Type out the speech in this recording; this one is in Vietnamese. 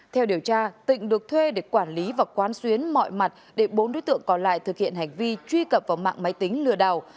theo điều tra tịnh được thuê để quản lý và quán xuyến mọi mặt để bốn đối tượng còn lại thực hiện hành vi truy cập vào mạng máy tính lừa đảo